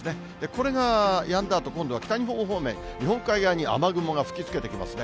これがやんだあと、今度は北日本方面、日本海側に雨雲が吹きつけてきますね。